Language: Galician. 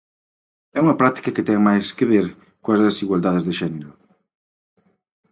É unha práctica que ten máis que ver coas desigualdades de xénero.